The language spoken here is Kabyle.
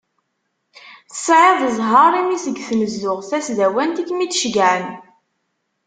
Tesɛiḍ zher imi seg tnezduɣt tasdawant i kem-id-ceggɛen.